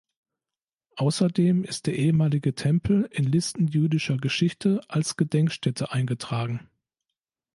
Außerdem ist der ehemalige Tempel in Listen jüdischer Geschichte als Gedenkstätte eingetragen.